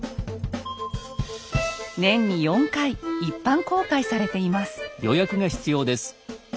年に４回一般公開されています。